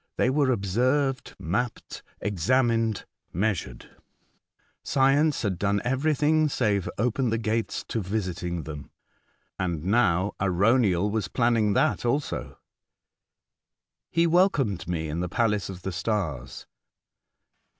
They were observed, mapped, examined, measured. Science had done every thing, save open the gates to visiting them. And now Arauniel was planning that also. 94 A Voyage to Other Woidds. He welcomed me in tlie Palace of tlie Stars.